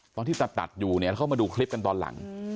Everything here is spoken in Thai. ตอนที่ตัดอยู่เขามาดูคลิปกันตอนหลัง